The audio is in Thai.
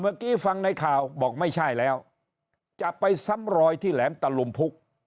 เมื่อกี้ฟังในข่าวบอกไม่ใช่แล้วจะไปซ้ำรอยที่แหลมตะลุมพุก